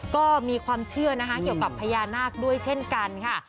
ก็มีความเชื่อนะคะเกี่ยวกับพญานาคด้วยเช่นกันค่ะ